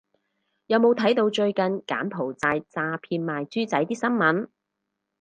有冇睇到最近柬埔寨詐騙賣豬仔啲新聞